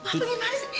bapak gimana sih